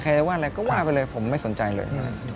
จะว่าอะไรก็ว่าไปเลยผมไม่สนใจเลย